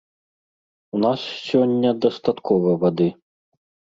У нас сёння дастаткова вады.